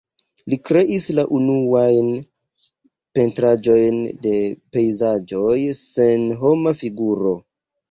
Li kreis la unuajn pentraĵojn de pejzaĝoj sen homa figuro.